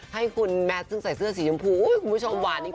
ให้คุณแมทซึ่งใส่เสื้อสีชมพูคุณผู้ชมหวานจริง